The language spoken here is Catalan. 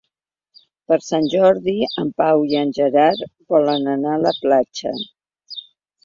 Per Sant Jordi en Pau i en Gerard volen anar a la platja.